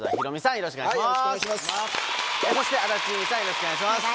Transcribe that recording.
よろしくお願いします。